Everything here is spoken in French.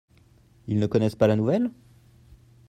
Ils ne connaissent pas la nouvelle ?